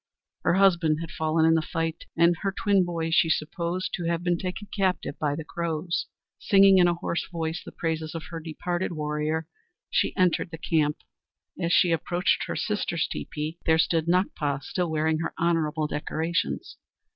Her husband had fallen in the fight, and her twin boys she supposed to have been taken captive by the Crows. Singing in a hoarse voice the praises of her departed warrior, she entered the camp. As she approached her sister's teepee, there stood Nakpa, still wearing her honorable decorations.